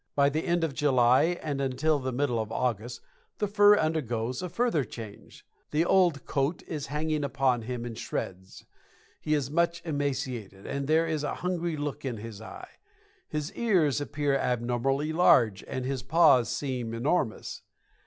By the end of July and until the middle of August the fur undergoes a further change. The old coat is hanging upon him in shreds, he is much emaciated, and there is a hungry look in his eye. His ears appear abnormally large, and his paws seem enormous.